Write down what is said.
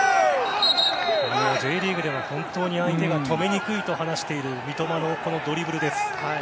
Ｊリーグでは、本当に相手が止めにくいと話している三笘のドリブルです。